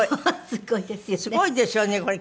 すごいですよねこれ。